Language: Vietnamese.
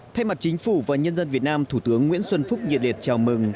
thay mặt chính phủ và nhân dân việt nam thủ tướng nguyễn xuân phúc nhiệt liệt chào mừng